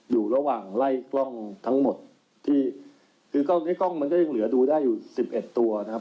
อยู่ระหว่างไล่กล้องทั้งหมดที่คือกล้องในกล้องมันก็ยังเหลือดูได้อยู่สิบเอ็ดตัวนะครับ